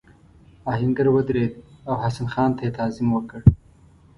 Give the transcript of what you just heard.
آهنګر ودرېد او حسن خان ته یې تعظیم وکړ.